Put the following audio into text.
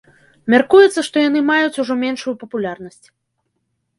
Мяркуецца, што яны маюць ужо меншую папулярнасць.